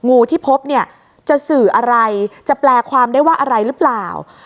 งูที่พบเนี่ยจะสื่ออะไรจะแปลความได้ว่าอะไรหรือเปล่า